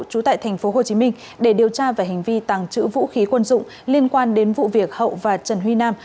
trú tại tp hcm để điều tra về hành vi tàng trữ vũ khí quân dụng liên quan đến vụ việc hậu và trần huy nam